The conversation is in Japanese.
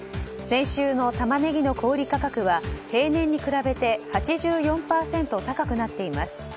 先週のタマネギの小売価格は平年に比べて８４％高くなっています。